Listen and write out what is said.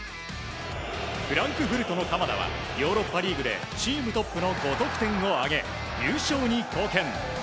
フランクフルトの鎌田はヨーロッパリーグでチームトップの５得点を挙げ優勝に貢献。